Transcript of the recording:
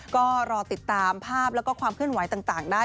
ก็รอติดตามภาพแล้วก็ความเคลื่อนไหวต่างได้